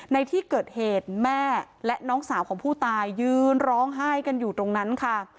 ในที่เกิดเหตุแม่และน้องสาวของผู้ตายยืนร้องไห้กันอยู่ตรงนั้นค่ะ